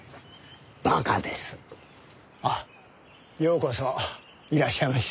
あっようこそいらっしゃいました。